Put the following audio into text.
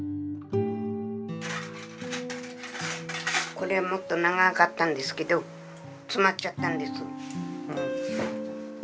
これもっと長かったんですけど詰まっちゃったんです。